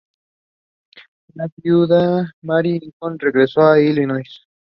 Ya viuda, Mary Lincoln regresó a Illinois.